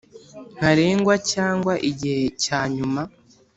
ntarengwa cyangwa igihe cya nyuma